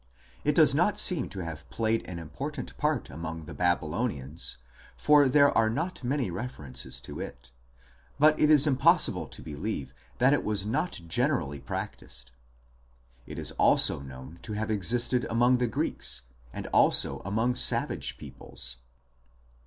1 It does not seem to have played an important part among the Babylonians, for there are not many references to it ; but it is impossible to believe that it was not generally practised. It is also known to have existed among the Greeks, 8 and also among savage peoples.